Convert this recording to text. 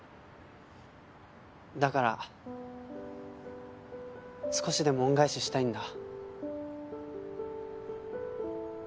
だから少しでも恩返ししたいんだ。